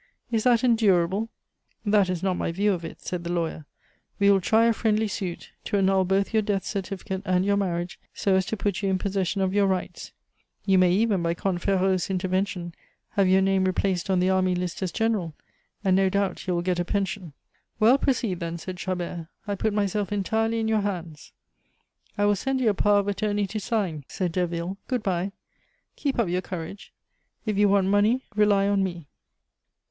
Is that endurable?" "That is not my view of it," said the lawyer. "We will try a friendly suit, to annul both your death certificate and your marriage, so as to put you in possession of your rights. You may even, by Comte Ferraud's intervention, have your name replaced on the army list as general, and no doubt you will get a pension." "Well, proceed then," said Chabert. "I put myself entirely in your hands." "I will send you a power of attorney to sign," said Derville. "Good bye. Keep up your courage. If you want money, rely on me."